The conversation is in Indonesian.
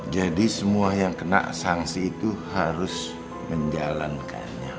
jadi semua yang kena sanksi itu harus menjalankannya